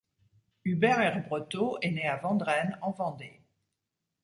Hubert Herbreteau est né à Vendrennes en Vendée.